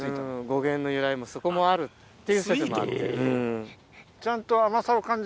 語源の由来もそこもあるっていう説もある。